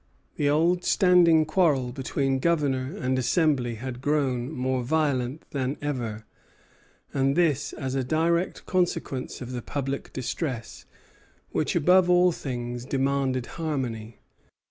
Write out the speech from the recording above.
The old standing quarrel between governor and assembly had grown more violent than ever; and this as a direct consequence of the public distress, which above all things demanded harmony.